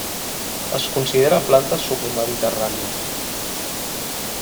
Es considera planta submediterrània.